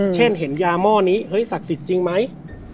เช่นเห็นยาม่อนี้สักศิษย์จริงไหม